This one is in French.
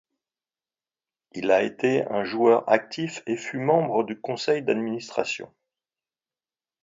Il a été un joueur actif et fut membre du conseil d'administration.